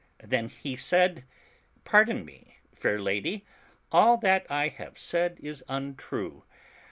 Then he said — "Pardon me, fair lady, all that I have said is untrue.